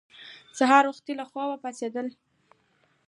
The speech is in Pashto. سهار وختي له خوبه پاڅېدل